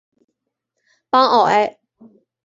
邦奥埃。